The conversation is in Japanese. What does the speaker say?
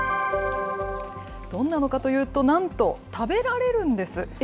どんなのかというと、なんと、食べられるんです。